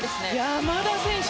山田選手